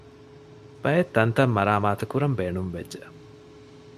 ބައެއް ތަންތަން މަރާމާތުކުރަން ބޭނުންވެއްޖެ